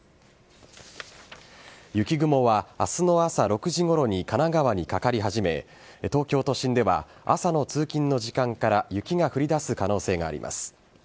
雪雲はあすの朝６時ごろに神奈川にかかり始め、東京都心では朝の通勤の時間から雪が降りだす可能性があります。